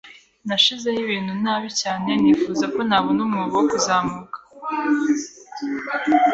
Nashizeho ibintu nabi cyane nifuza ko nabona umwobo wo kuzamuka.